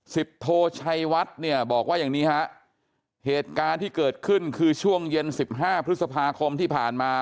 โทชัยวัดเนี่ยบอกว่าอย่างนี้ฮะเหตุการณ์ที่เกิดขึ้นคือช่วงเย็นสิบห้าพฤษภาคมที่ผ่านมา